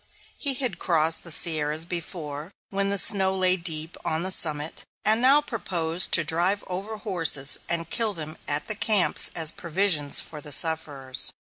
He had crossed the Sierras before, when the snow lay deep on the summit, and now proposed to drive over horses and kill them at the camps as provisions for the sufferers.